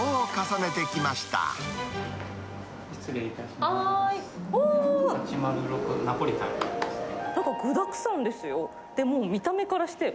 なんか具だくさんですよ。